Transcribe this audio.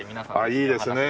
いいですね。